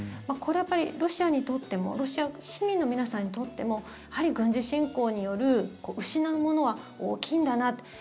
これはやっぱりロシアにとってもロシア市民の皆さんにとっても軍事侵攻による失うものは大きいんだなって。